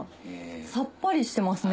さっぱりしてますね。